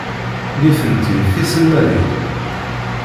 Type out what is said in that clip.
Nitenti d tiselmadin.